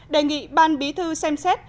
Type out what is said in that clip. đề nghị ban bí thư xem xét